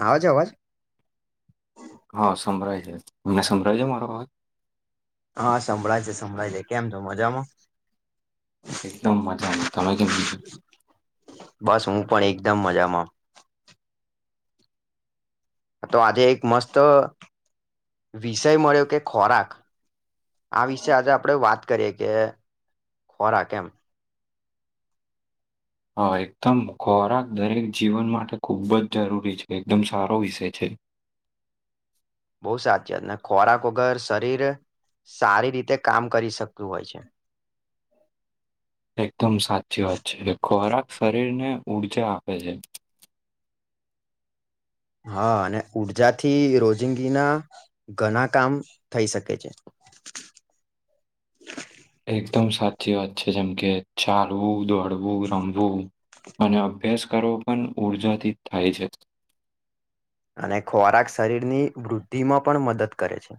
આવે છે અવાજ? હા, સંભળાય છે. મને સંભળાય છે મારો અવાજ. હા, સંભળાય છે, સંભળાય છે. કેમ, તો મજામાં? એકદમ મજામાં. તમે કેમ છો? બસ હું પણ એકદમ મજામાં. તો આજે એક મસ્ત વિષય મળ્યો કે ખોરાક આ વિશે આજે આપડે વાત કરીયએ કે ખોરા કેમ. હા એકદમ ખોરાક દરેક જીવન માટે ખુબ જ જરૂરી છે એકદમ સારો વિષય છે. બવ સાચીત ને ખોરાક વગર શરીર સારી રીતે કામ કરી શકતું હોય છે. એકદમ સાચી વાત છે કે ખોરાક શરીરને ઊર્જા આપે છે. હા અને ઉર્જાથી રોજિંગી ના ઘણા કામ થઈ શકે છે. [inaudible] એકદમ સાચી વાત છે જેમ કે ચાલવું, દોડવું, રમવું અને અભ્યાસ કરવો પણ ઉર્જાથી થાય છે. અને ખોરાક શરીરની વૃદ્ધિમાં પણ મદદ કરે છે.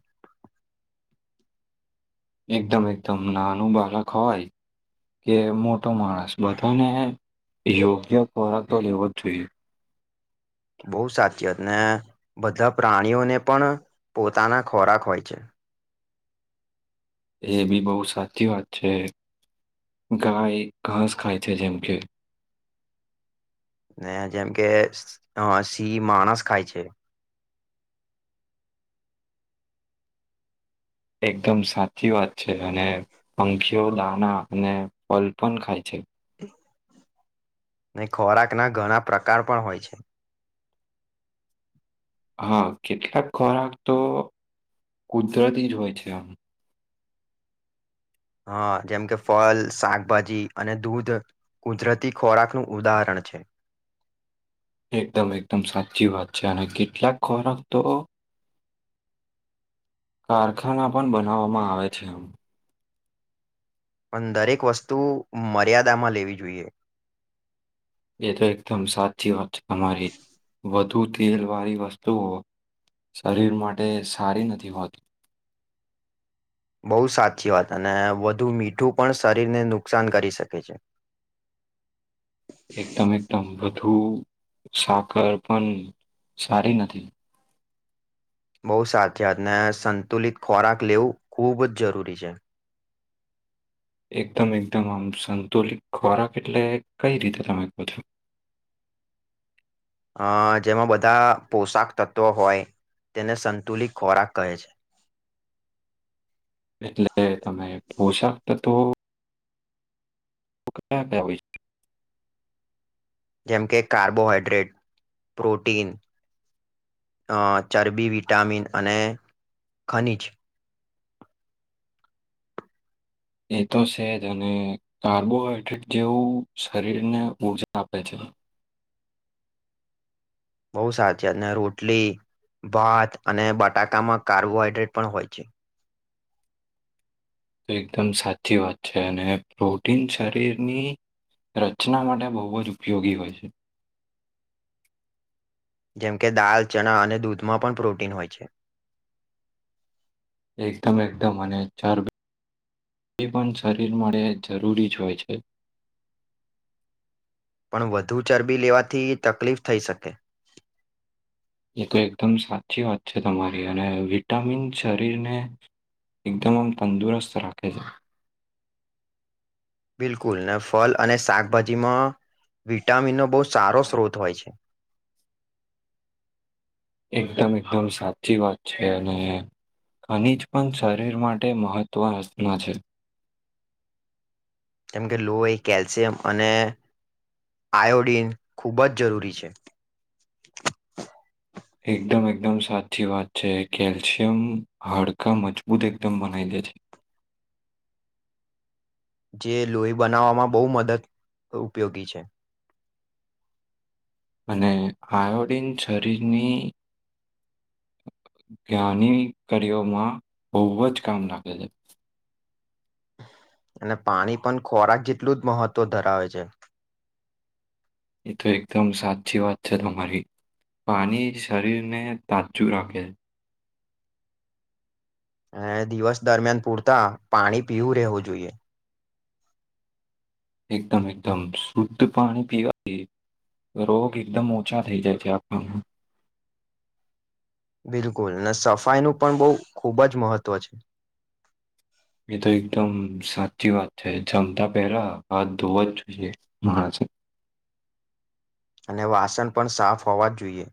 એકદમ એકદમ નાનું બાળક હોય કે મોટો માણસ બધાને યોગ્ય ખોરાક તો લેવો જ જોઈએ. બહુ સાચી ને બધા પ્રાણીઓને પણ પોતાના ખોરાક હોય છે. એ બી બહુ સાચી વાત છે. ગાય ઘાસ ખાય છે જેમ કે ને જેમ કે અ સિંહ માણસ ખાય છે. એકદમ સાચી વાત છે અને પંખીઓ દાણા અને ફલ પણ ખાય છે. ને ખોરાક ના ઘણા પ્રકાર પણ હોય છે. હા કેટલાક ખોરાક તો કુદરતી જ હોય છે આમ. હા જેમ કે ફલ, શાકભાજી અને દૂધ કુદરતી ખોરાક નું ઉદાહરણ છે. એકદમ એકદમ સાચી વાત છે અને કેટલાક ખોરાક તો કારખાના પણ બનાવવામાં આવે છે આમ. પણ દરેક વસ્તુ મર્યાદામાં લેવી જોઈએ. એ તો એકદમ સાચી વાત છે તમારી વધુ તેલ વાળી વસ્તુઓ શરીર માટે સારી નથી હોતું. બહુ સાચી વાત અને વધુ મીઠું પણ શરીરને નુકસાન કરી શકે છે. એકદમ એકદમ વધુ સાકર પણ સારી નથી. બહુ સાચીવત ને સંતુલિત ખોરાક લેવું ખૂબ જ જરૂરી છે. એકદમ એકદમ આમ સંતુલિત ખોરાક એટલે કઈ રીતે તમે કહ છો? અ જેમાં બધા પોશાક તત્વો હોય તેને સંતુલીન ખોરાક કહે છે. એટલે તમે પોષક તત્વો કયા ક્યા હોય છે? જેમ કે કાર્બોહાઈડ્રેટ, પ્રોટીન અ ચરબી વિટામિન અને ખનીજ. એ તો સેજ અને કાર્બોહાઈડ્રેટ જેવું શરીરને ઉર્જા આપે છે. [inaudible] બહુ સાચીવાત ને રોટલી ભાત અને બટાકામાં કાર્બોહાઈડ્રેટ પણ હોય છે. તો એકદમ સાચી વાત છે અને પ્રોટીન શરીરની રચના માટે બહુ જ ઉપયોગી હોય છે. જેમ કે દાલ, ચણા અને દૂધમાં પણ પ્રોટીન હોય છે. એકદમ એકદમ અને ચાર એ પણ શરીર મળે જરૂરી જ હોય છે. [inaudible] પણ વધુ ચરબી લેવાથી તકલીફ થઈ શકે એ તો એકદમ સાચી વાત છે તમારી અને વિટામિન શરીરને એકદમ આમ તંદુરસ્ત રાખે છે. બિલકુલ ને ફલ અને શાકભાજીમાં વિટામિન નો બહુ સારો સ્ત્રોત હોય છે. એકદમ એકદમ સાચી વાત છે અને ખનિજ પણ શરીર માટે મહત્ત્વ રચના છે. કેમ કે લો એ કેલ્શિયમ અને આયોડીન ખૂબ જ જરૂરી છે. એકદમ એકદમ સાચી વાત છે કેલ્શિયમ હાડકાં મજબૂત એકદમ બનાઈ દે છે. [inaudible] જે લોહી બનાવવામાં બહુ મદદ ઉપયોગી છે અને આયોડિન શરીરની જ્ઞની કારઓમાં બહુ જ કામ લાગે છે. અને પાણી પણ ખોરાક જેટલું જ મહત્વ ધરાવે છે. એ તો એકદમ સાચી વાત છે તમારી પાણી શરીરને તાચું રાખે અને દિવસ દરમિયાન પૂરતા પાણી પીવું રહેવું જોઈએ એકદમ એકદમ શુદ્ધ પાણી પીવાથી રોગ એકદમ ઓછા થઈ જાય છે આ કામ બિલકુલ અનેને સફાઈનું પણ બહુ ખૂબ જ મહત્વ છે. એ તો એકદમ સાચી વાત છે જમતા પહેલા હ ધોવા જ જોઈએ મહાજ અને વાસન પણ સાફ હોવા જ જોઈએ.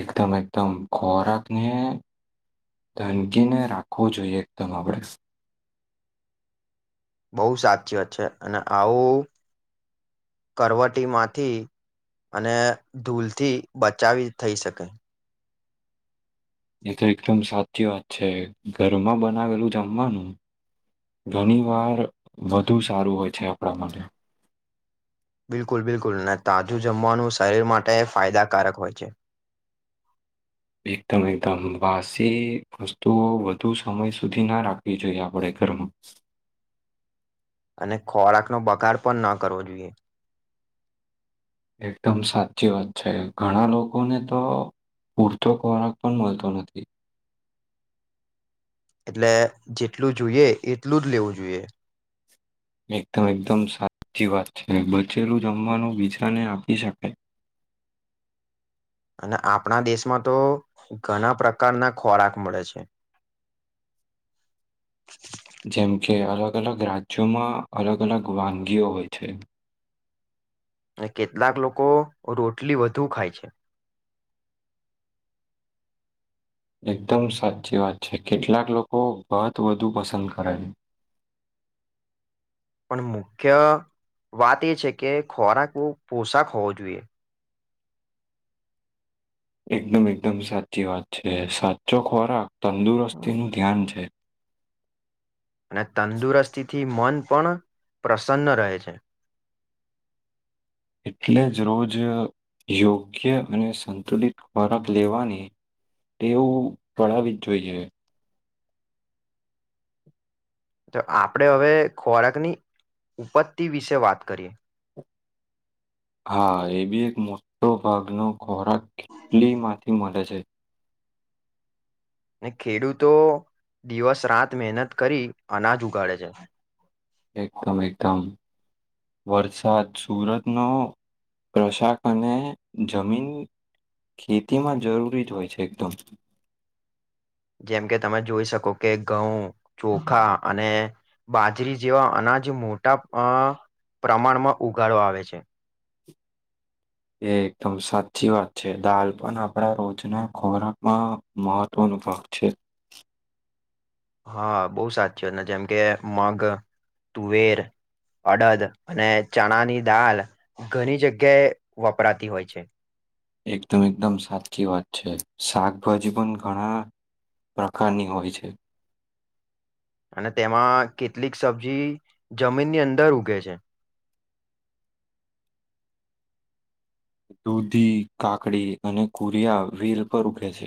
એકદમ એકદમ ખોરાક ને ધાનગીને રાખવો જોઈએ એકદમ આપણે બહુ સાચી વાત છે અને આવું કરવટીમાંથી અને ધૂલથી બચાવી થઈ શકે એ તો એકદમ સાચી વાત છે ઘરમાં બનાવેલું જમવાનું ઘણી વાર વધુ સારું હોય છે આપણા માટે બિલકુલ બિલકુલ અને તાજું જમવાનું શરીર માટે ફાયદાકારક હોય છે. [inaudible] એકદમ એકદમ વાસી વસ્તુઓ વધુ સમય સુધી ના રાખવી જોઈએ આપડે ઘરમાં અને ખોરાકનો બગાડ પણ ન કરવો જોઈએ એકદમ સાચી વાત છે ઘણા લોકોને તો પૂરતો ખોરાક પણ મળતો નથી. એટલે જેટલું જોઈએ એટલું જ લેવું જોઈએ. એકદમ એકદમ સાચી વાત છે બચેલું જમવાનું બીજાને આપી શકાય અને આપણા દેશમાં તો ઘણા પ્રકારના ખોરાક મળે છે. [inaudible] જેમ કે અલગ અલગ રાજ્યોમાં અલગ અલગ વાનગીઓ હોય છે. અને કેટલાક લોકો રોટલી વધુ ખાય છે. એકદમ સાચી વાત છે કેટલાક લોકો ભાત વધુ પસંદ કરે છે. પણ મુખ્ય વાત એ છે કે ખોરાક બહુ પોષક હોવો જોઈએ. એકદમ એકદમ સાચી વાત છે સાચો ખોરાક તંદુરસ્તી અને નું ધ્યાન છે. અને તંદુરસ્તીથી મન પણ પ્રસન્ન રહે છે. એટલે જ રોજ યોગ્ય અને સંતુલિત ખોરાક લેવાની ટેવ પડાવવી જ જોઈએ. તો આપણે હવે ખોરાકની ઉપત્તિ વિશે વાત કરીએ. હા એ બી એક મોટો ભાગ નો ખોરાક કેટલી માંથી એ માટે છે. ને ખેડૂતો દિવસ રાત મહેનત કરી અનાજ ઉગાડે છે. એકદમ એકદમ વરસાદ સુરત નો [unintelligible] જમીન ખેતીમાં જરૂરી જ હોય છે એકદમ. જેમ કે તમે જોઈ શકો કે ઘઉં ચોખા અને બાજરી જેવા અના જ મોટા પ્રમાણમાં ઉગાડો આવે છે. એ એકદમ સાચી વાત છે દાલ પણ આપડા રોજના ખોરાકમાં મહત્વનું ભાગ છે. હા બહુ સાચી વાત જેમ કે મગ તુવેર અડદ અને ચણાની દાળ ઘણી જગ્યાએ વપરાતી હોય છે એકદમ એકદમ સાચી વાત છે શાકભાજી પણ ઘણા પ્રકારની હોય છે અને તેમાં કેટલીક સબ્જી જમીનની અંદર ઉગે છે દૂધી કાકડી અને કુરિયા વેલ પર ઊઘે છે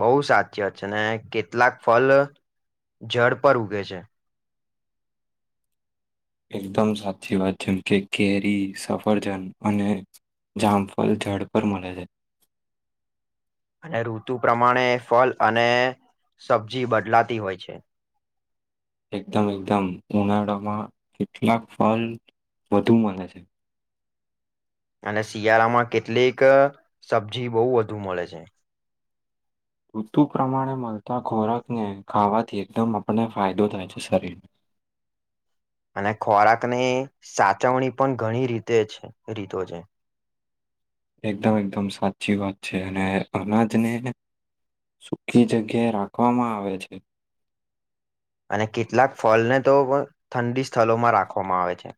બહુ સાચી વાત છે ને કેટલાક ફલ જળ પર ઉગે છે એકદમ સાચી વાત જેમ કે કેરી સફરજન અને જામફલ જળ પર મળે છે અને ઋતુ પ્રમાણે ફળ અને સબ્જી બદલાતી હોય છે એકદમ એકદમ ઉનાળામાં કેટલાક ફલ વધુ મલે છે અને શિયાળામાં કેટલીક સબજી બહુ વધુ મળે છે ઋતુ પ્રમાણે મળતા ખોરાકને ખાવાથી એકદમ આપણને ફાયદો થાય છે શરીરને અને ખોરાકની સાચવણી પણ ઘણી રીતે છે રીતો છે એકદમ એકદમ સાચી વાત છે અને અનાજને સુકી જગ્યાએ રાખવામાં આવે છે અને કેટલાક ફલને તો ઠંડી સ્થળમાં રાખવામાં આવે છે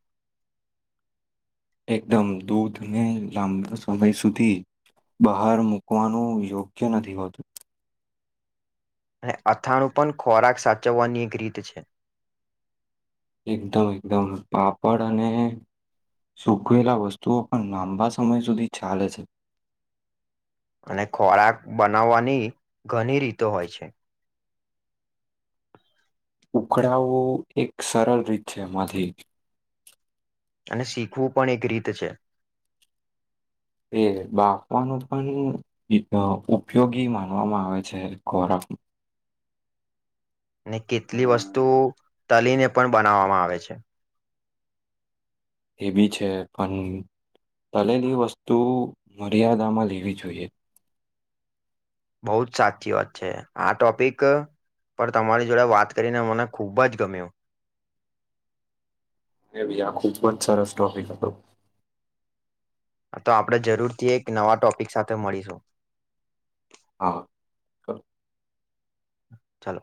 એકદમ દૂધ ને લાંબો સમય સુધી બહાર મુકવાનું યોગ્ય નથી હોતું અને અથાણું પણ ખોરાક સાચવવાની એક રીત છે એકદમ એકદમ [unintelligible] સૂકવેલા વસ્તુઓ પણ લાંબા સમય સુધી ચાલે છે અને ખોરાક બનાવવાની ઘણી રીતો હોય છે ઉખડાવવું એક સરળ રીત છે એમાંથી અને શીખવું પણ એક રીત છે એ બાપવાનો પણ ઉપયોગી માનવામાં આવે છે ખોરાક [unintelligible] [inaudible] ને કેટલી વસ્તુ તલીને પણ બનાવવામાં આવે છે એ બી છે પણ તલેલી વસ્તુ મર્યાદામાં લેવી જોઈએ બહુ જ સાચી વાત છે આ ટોપિક પણ તમારી જોડે વાત કરીને મને ખૂબ જ ગમ્યું એવી આ ખૂબ જ સરસ ટ્રોપિક હતો. આ તો આપણે જરૂરથી એક નવા ટોપિક સાથે મળીશું. હા [inaudible] ચાલો.